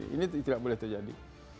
ini tidak boleh terjadi